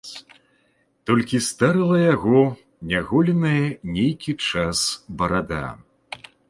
Толькі старыла яго няголеная нейкі час барада.